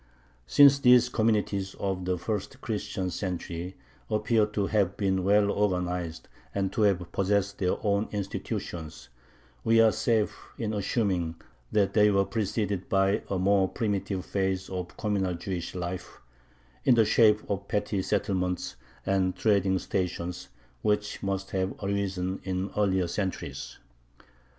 Since these communities of the first Christian century appear to have been well organized and to have possessed their own institutions, we are safe in assuming that they were preceded by a more primitive phase of communal Jewish life, in the shape of petty settlements and trading stations, which must have arisen in earlier centuries.